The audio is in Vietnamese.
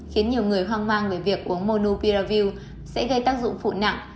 khiến nhiều người hoang mang về việc uống monupiravir sẽ gây tác dụng phụ nặng